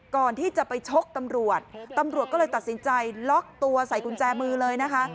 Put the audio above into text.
ก่อนที่จะไปชกตำรวจตำรวจก็เลยตัดสินใจล็อกตัวใส่กุญแจมือเลยนะคะ